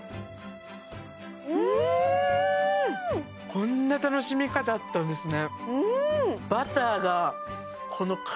こんな楽しみ方あったんですね